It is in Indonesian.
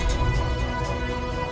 aku mau ke tempat yang lebih baik